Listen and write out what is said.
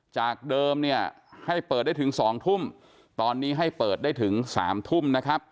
จากเดิมเนี่ยให้เปิดได้ถึง๒ทุ่มตอนนี้ให้เปิดได้ถึง๓ทุ่มนะครับ